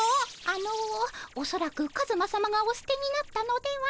あのおそらくカズマさまがお捨てになったのでは。